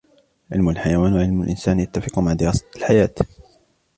علم الحيوان وعلم الإنسان يتفق مع دراسة الحياة.